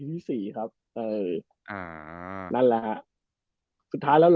เออฉะนั้นไม่ได้คุย